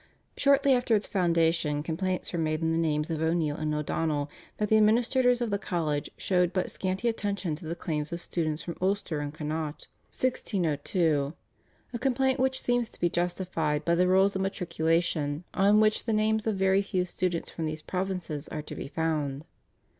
Shortly after its foundation complaints were made in the names of O'Neill and O'Donnell that the administrators of the college showed but scanty attention to the claims of students from Ulster and Connaught (1602), a complaint which seems to be justified by the rolls of matriculation, on which the names of very few students from these provinces are to be found.